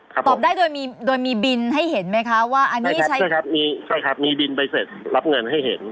ตอบได้โดยมีบินให้เห็นไหมคะใช่ครับมีบินใบเสร็จรับเงินให้เห็น